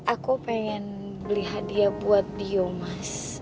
aku pengen beli hadiah buat dio mas